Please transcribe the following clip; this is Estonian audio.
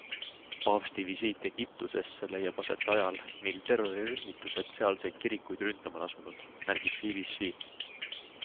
Paavsti visiit Egiptusesse leiab aset ajal, mil terrorirühmitused sealseid kirikuid ründama on asunud, märgib BBC.